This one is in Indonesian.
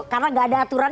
karena gak ada aturan